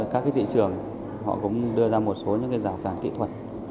các thị trường họ cũng đưa ra một số những cái rào cản kỹ thuật